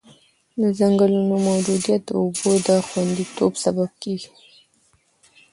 د ځنګلونو موجودیت د اوبو د خونديتوب سبب کېږي.